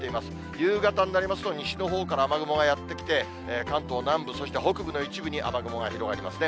夕方になりますと、西のほうから雨雲がやって来て、関東南部、そして北部の一部に雨雲が広がりますね。